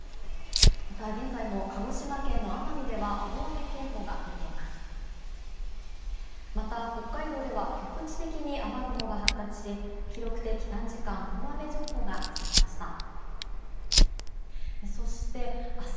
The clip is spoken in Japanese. また、現在も鹿児島県の奄美では大雨警報が出ています。